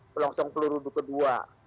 selongsong peluru kedua